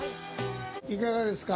いかがですか？